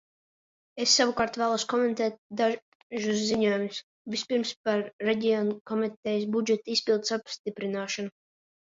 Es savukārt vēlētos komentēt dažus ziņojumus, vispirms par Reģionu komitejas budžeta izpildes apstiprināšanu.